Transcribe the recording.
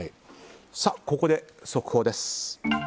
ここで速報です。